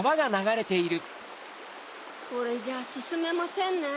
これじゃすすめませんね。